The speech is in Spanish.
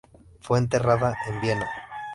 Fue enterrada en Viena.